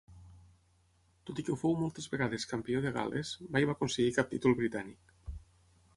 Tot i que fou moltes vegades campió de Gal·les, mai va aconseguir cap títol britànic.